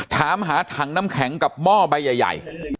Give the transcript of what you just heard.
ถามหาถังน้ำแข็งกับหม้อใบใหญ่